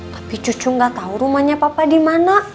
tapi cucu gak tau rumahnya papa dimana